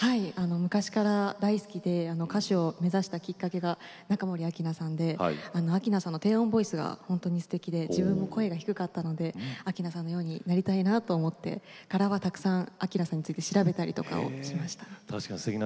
昔から大好きで歌手を目指したきっかけが明菜さんの低音ボイスが本当にすてきでは自分も声が低かったので明菜さんのようになりたいなと思ってからは、たくさん明菜さんについて調べたりとかしました。